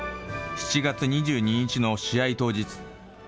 ７月２２日の試合当日。